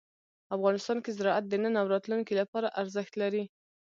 افغانستان کې زراعت د نن او راتلونکي لپاره ارزښت لري.